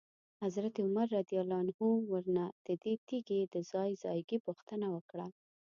حضرت عمر رضی الله عنه ورنه ددې تیږي د ځای ځایګي پوښتنه وکړه.